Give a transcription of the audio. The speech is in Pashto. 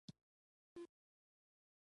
نجلۍ د زړونو امید ده.